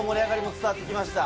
伝わってきました。